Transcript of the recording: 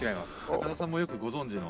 高田さんもよくご存じの。